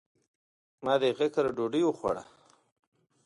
ما د هغي کره ډوډي وخوړه .